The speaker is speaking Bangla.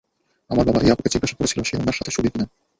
আমার বাবা ওই আপুকে জিজ্ঞাসা করেছিল সে ওনার সাথে শুবে কি না!